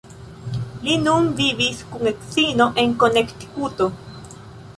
Li nun vivis kun edzino en Konektikuto.